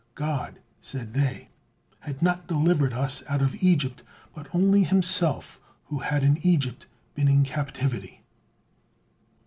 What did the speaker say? "God," said they, "had not delivered us out of Egypt, but only Himself, who had in Egypt been in captivity."